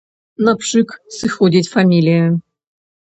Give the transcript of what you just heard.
На пшык сыходзіць фамілія.